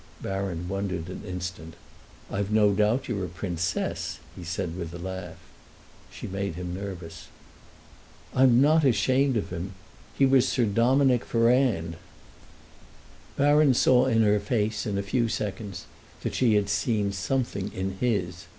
Baron wondered an instant. "I've no doubt you're a princess!" he said with a laugh. She made him nervous. "I'm not ashamed of him. He was Sir Dominick Ferrand." Baron saw in her face, in a few seconds, that she had seen something in his.